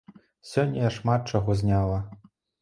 Сёння я шмат чаго зняла.